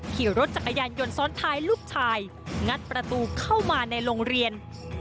ขี่รถจักรยานยนต์ซ้อนท้ายลูกชายงัดประตูเข้ามาในโรงเรียน